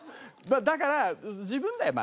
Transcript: だから自分だよ。